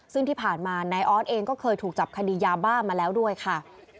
ซึ่งที่ผ่านมานายออสเองก็เคยถูกจับคดียาบ้ามาแล้วด้วยค่ะ